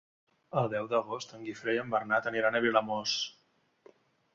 El deu d'agost en Guifré i en Bernat aniran a Vilamòs.